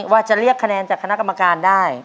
ว่าจะเรียกคะแนนจากคณะกรรมการได้